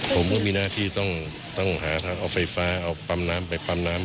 ผมก็มีหน้าที่ต้องหาทางเอาไฟฟ้าเอาปั๊มน้ำไปปั๊มน้ำ